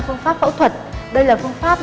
phương pháp phẫu thuật đây là phương pháp